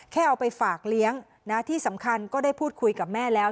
เอาไปฝากเลี้ยงนะที่สำคัญก็ได้พูดคุยกับแม่แล้ว